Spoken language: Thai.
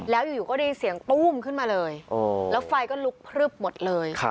แล้วอยู่ก็ได้ยินเสียงตู้มขึ้นมาเลยแล้วไฟก็ลุกพลึบหมดเลย